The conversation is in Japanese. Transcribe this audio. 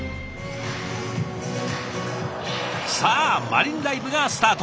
さあマリンライブがスタート！